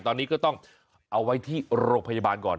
ตอนนี้ก็ต้องเอาไว้ที่โรงพยาบาลก่อน